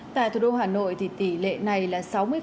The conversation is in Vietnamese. tại thủ đô hà nội thì tỷ lệ này là sáu mươi